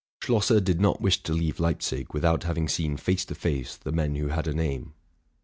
Schlosser did not wish to leave Leipzig without having 222 TRUTH AND FICTION seen face to face the men who had a name.